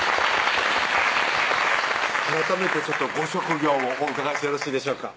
改めてご職業をお伺いしてよろしいでしょうか？